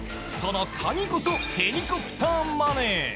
その鍵こそヘリコプターマネー。